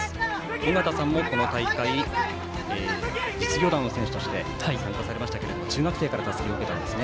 尾方さんも、この大会実業団の選手として参加されましたけど中学生からたすきを受けたんですね。